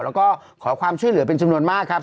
แล้วก็ขอความช่วยเหลือเป็นจำนวนมากครับ